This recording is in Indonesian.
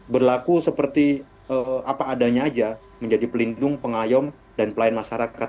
berlaku seperti apa adanya aja menjadi pelindung pengayom dan pelayan masyarakat